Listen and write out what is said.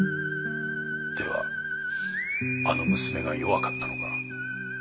ではあの娘が弱かったのか？